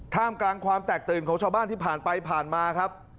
ท่ามกลางความแตกตื่นของชาวบ้านที่ผ่านไปผ่านมาครับ